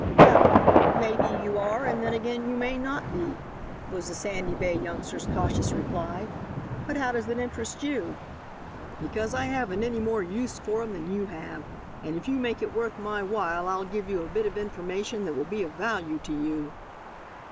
"Well, may be you are and then again you may not be," was the Sandy Bay youngster's cautious reply; "but how does it interest you?" "Because I haven't any more use for him than you have, and if you make it worth my while I'll give you a bit of information that will be of value to you."